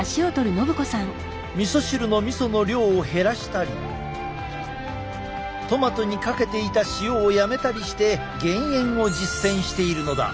みそ汁のみその量を減らしたりトマトにかけていた塩をやめたりして減塩を実践しているのだ。